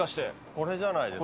これじゃないですか？